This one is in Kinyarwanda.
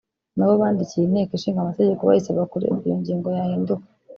na bo bandikiye inteko ishinga amategeko bayisaba ko iyo ngingo yahinduka